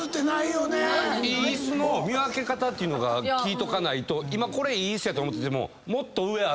いい椅子の見分け方っていうのが聞いとかないと今これいい椅子やと思ってても。